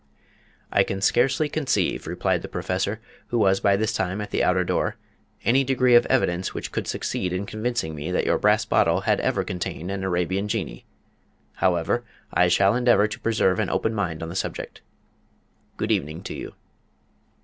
"I can scarcely conceive," replied the Professor, who was by this time at the outer door, "any degree of evidence which could succeed in convincing me that your brass bottle had ever contained an Arabian Jinnee. However, I shall endeavour to preserve an open mind on the subject. Good evening to you."